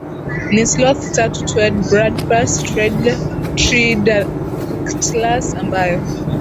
ni sloth tatu toed Bradypus tridactylus ambayo